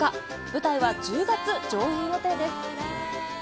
舞台は１０月上演予定です。